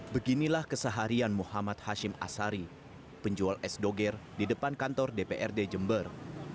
beginilah keseharian muhammad hashim asari penjual es doger di depan kantor dprd jember